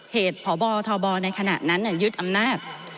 พบทบในขณะนั้นยึดอำนาจ